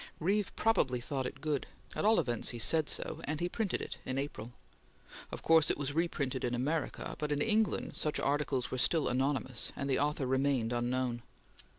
Reeve probably thought it good; at all events, he said so; and he printed it in April. Of course it was reprinted in America, but in England such articles were still anonymous, and the author remained unknown.